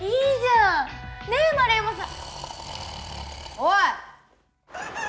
おい！